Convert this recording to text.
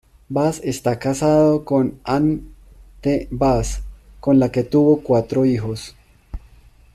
Bass está casado a Anne T. Bass, con la que tuvo cuatro hijos.